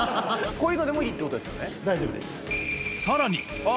こういうのでもいいってことですよね。